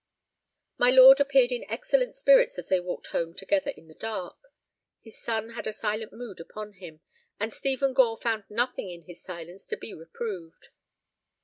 My lord appeared in excellent spirits as they walked home together in the dark. His son had a silent mood upon him, and Stephen Gore found nothing in his silence to be reproved.